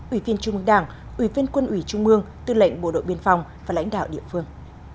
ủy viên trung ương đảng ủy viên quân ủy trung mương tư lệnh bộ đội biên phòng và lãnh đạo địa phương